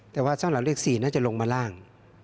แต่ว่าสำหรับเลข๔น่าจะลงมาล่าง